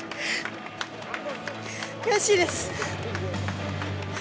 悔しいです。